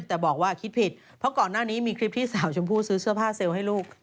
แต่บอกว่าคิดผิดเพราะก่อนหน้านี้มีคลิปที่สาวชมพู่ซื้อเสื้อผ้าเซลล์ให้ลูก